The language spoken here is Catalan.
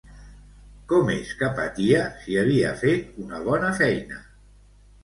Com és que patia, si havia fet una bona feina?